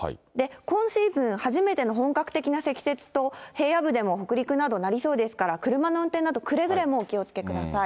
今シーズン初めての本格的な積雪と、平野部でも北陸など、なりそうですから、車の運転など、くれぐれもお気をつけください。